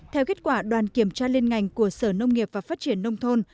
theo kết quả đoàn kiểm tra liên ngành của sở nông nghiệp và phát triển nông thôn